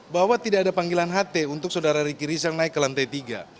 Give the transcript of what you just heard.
bahwa tidak ada panggilan ht untuk saudara ricky rizal naik ke lantai tiga